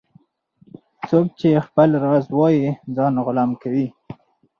- څوک چي خپل راز وایې ځان غلام کوي.